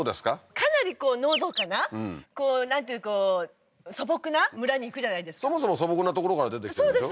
かなりのどかなこうなんていう素朴な村に行くじゃないですかそもそも素朴な所から出てきてるでしょ？